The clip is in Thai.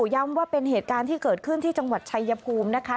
ย้ำว่าเป็นเหตุการณ์ที่เกิดขึ้นที่จังหวัดชายภูมินะคะ